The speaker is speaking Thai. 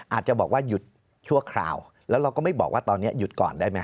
อาจจะบอกว่าหยุดชั่วคราวแล้วเราก็ไม่บอกว่าตอนนี้หยุดก่อนได้ไหม